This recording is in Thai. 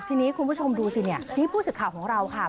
ทีนี้คุณผู้ชมดูสิเนี่ยนี่ผู้สื่อข่าวของเราค่ะ